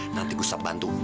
nanti gustaf bantu